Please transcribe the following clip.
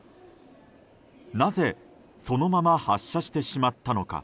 なぜ、そのまま発車してしまったのか。